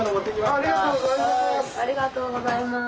ありがとうございます。